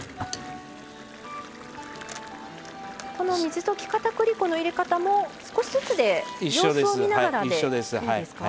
この水溶き片栗粉の入れ方も少しずつで様子を見ながらでいいですか？